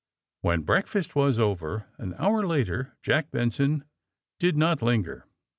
When breakfast was over, an hour later. Jack Benson did not linger.